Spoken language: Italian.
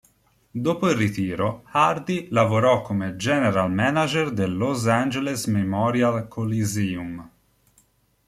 Dopo il ritiro, Hardy lavorò come general manager del Los Angeles Memorial Coliseum.